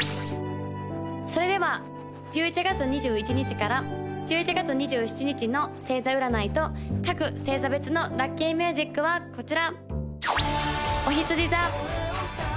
それでは１１月２１日から１１月２７日の星座占いと各星座別のラッキーミュージックはこちら！